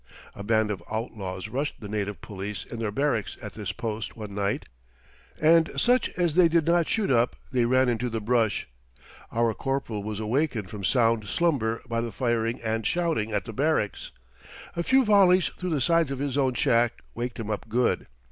A band of outlaws rushed the native police in their barracks at this post one night, and such as they did not shoot up they ran into the brush. Our corporal was awakened from sound slumber by the firing and shouting at the barracks. A few volleys through the sides of his own shack waked him up good.